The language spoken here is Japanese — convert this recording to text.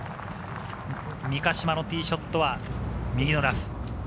三ヶ島のティーショットは右のラフ。